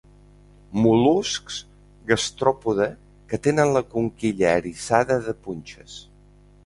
Mol·luscs gastròpode que tenen la conquilla eriçada de punxes.